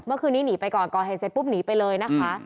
เมื่อคืนนี้หนีไปก่อนก่อเหตุเสร็จปุ๊บหนีไปเลยนะคะ